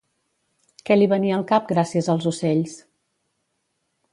Què li venia al cap gràcies als ocells?